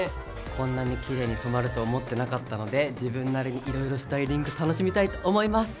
こんなにきれいに染まると思ってなかったので自分なりにいろいろスタイリング楽しみたいと思います。